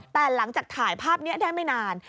แต่หลังจากถ่ายภาพนี้ได้ไม่นาน